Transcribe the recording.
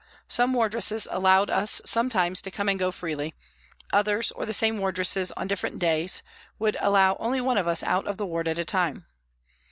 Some wardresses allowed us sometimes to come and go freely ; others, or the same wardresses on different days, would allow only one of us out of the ward at a time.